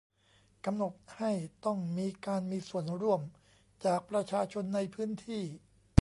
กำหนดให้ต้องมีการมีส่วนร่วมจากประชาชนในพื้นที่